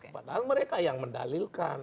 padahal mereka yang mendalilkan